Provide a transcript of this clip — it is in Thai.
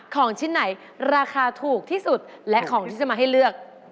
ของชิ้นไหนราคาถูกที่สุดและของที่จะมาให้เลือก